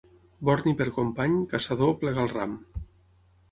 Borni per company, caçador, plega el ram.